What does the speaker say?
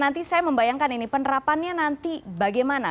nanti saya membayangkan ini penerapannya nanti bagaimana